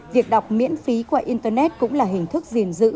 việc đọc miễn phí qua internet cũng là hình thức gìn giữ